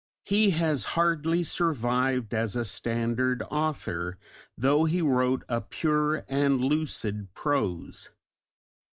He has hardly survived as a standard author, though he wrote a pure and lucid prose.